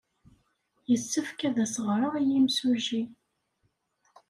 Yessefk ad as-ɣreɣ i yemsujji.